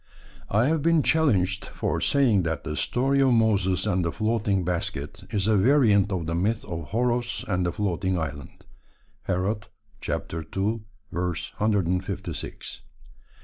I have been challenged for saying that the story of Moses and the floating basket is a variant of the myth of Horos and the floating island (Herod ii. 156).